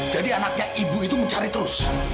jadi anaknya ibu itu mencari terus